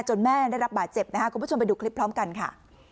แม่ได้รับบาดเจ็บนะคะคุณผู้ชมไปดูคลิปพร้อมกันค่ะ